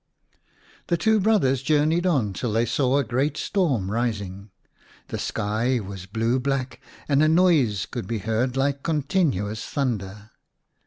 The two brothers journeyed on till they saw a great storm rising. The sky was blue black, and a noise could be heard like continuous thunder.